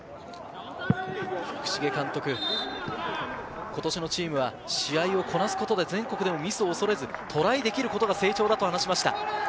福重監督、今年のチームは試合をこなすことで全国でもミスを恐れずトライできることが成長だと話しました。